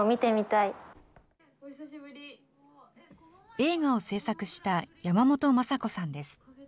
映画を制作した山本昌子さんです。